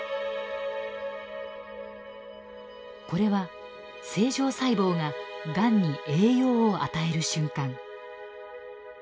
これは正常細胞ががんに栄養を与える瞬間。